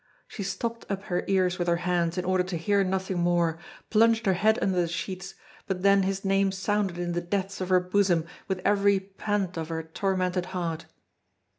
She stopped up her ears with her hands in order to hear nothing more, plunged her head under the sheets; but then his name sounded in the depths of her bosom with every pant of her tormented heart.